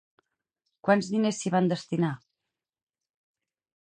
Quants diners s'hi van destinar?